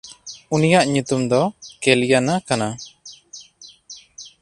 ᱩᱱᱤᱭᱟᱜ ᱧᱩᱛᱩᱢ ᱫᱚ ᱠᱮᱞᱤᱭᱟᱱᱟ ᱠᱟᱱᱟ᱾